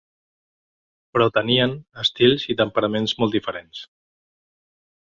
Però tenien estils i temperaments molt diferents.